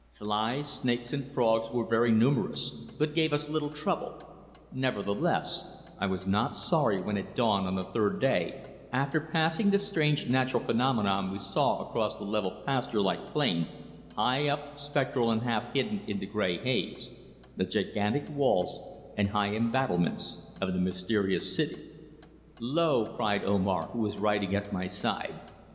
Flies, snakes and frogs were very numerous, but gave us little trouble, nevertheless, I was not sorry when at dawn on the third day after passing the strange natural phenomenon we saw across the level pasture like plain, high up, spectral and half hidden in the grey haze, the gigantic walls and high embattlements of the mysterious city. "Lo!" cried Omar, who was riding at my side.